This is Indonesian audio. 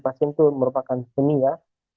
pasien itu merupakan seni ya